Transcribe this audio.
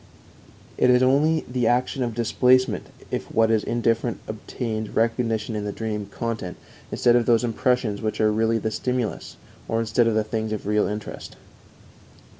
_It is only the action of displacement if what is indifferent obtains recognition in the dream content instead of those impressions which are really the stimulus, or instead of the things of real interest_.